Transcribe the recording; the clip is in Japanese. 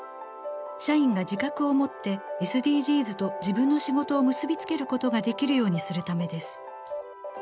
社員が自覚を持ってＳＤＧｓと自分の仕事を結び付けることができるようにするためです。